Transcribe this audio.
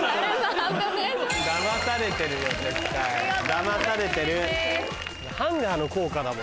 だまされてる。